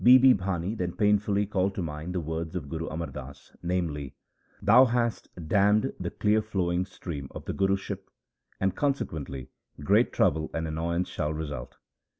Bibi Bhani then painfully called to mind the words of Guru Amar Das, namely, ' Thou hast dammed the clear flowing stream of the Guruship and consequently great trouble and annoyance shall result.'